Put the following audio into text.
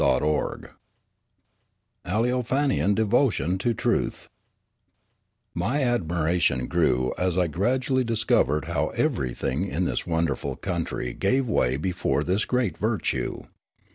CHAPTER VI ALEOFANIAN DEVOTION TO TRUTH MY admiration grew as I gradually discovered how everything in this wonderful country gave way before this great virtue.